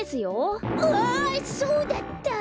うわそうだった！